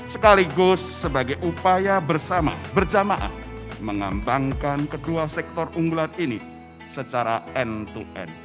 sekaligus sebagai upaya bersama berjamaah mengembangkan kedua sektor unggulan ini secara end to end